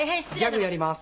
ギャグやります。